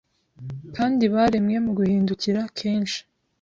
Kandi baremwe muguhindukira kenshi